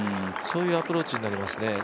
そういうアプローチになりますね。